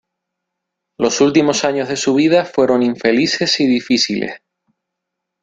Los últimos años de su vida fueron infelices y difíciles.